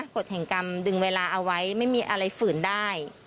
กฎแห่งกรรมดึงเวลาเอาไว้ไม่มีอะไรฝืนได้